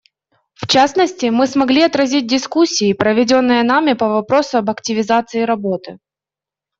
В частности, мы смогли отразить дискуссии, проведенные нами по вопросу об активизации работы.